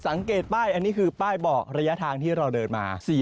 สังเกตป้ายอันนี้คือป้ายบอกระยะทางที่เราเดินมา